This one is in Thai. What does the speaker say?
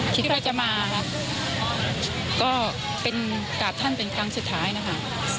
คิดว่าจะมาก็กราบท่านเป็นครั้งสุดท้ายนะคะ